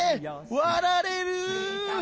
わられる！